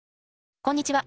こんにちは。